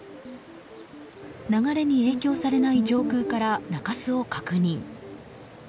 流れに影響されない上空から中州を確認。